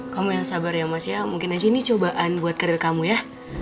kamu yang sabar ya mas ya mungkin aja ini cobaan buat karir kamu ya